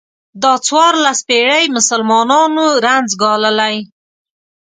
دا څوارلس پېړۍ مسلمانانو رنځ ګاللی.